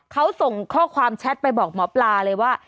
เขาส่งข้อความแชทไปบอกหมอปลาเลยว่า